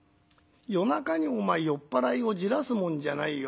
「夜中にお前酔っ払いをじらすもんじゃないよ。